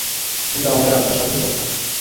কিন্তু আমাদের আত্মা স্বাধীন সত্তা।